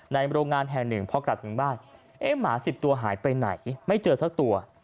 โรงงานแห่งหนึ่งพอกลับถึงบ้านเอ๊ะหมา๑๐ตัวหายไปไหนไม่เจอสักตัว